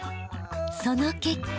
その結果